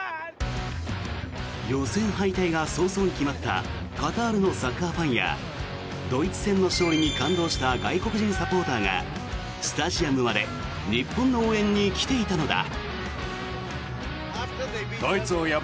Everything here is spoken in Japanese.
予選敗退が早々に決まったカタールのサッカーファンやドイツ戦の勝利に感動した外国人サポーターがスタジアムまで日本の応援に来ていたのだ。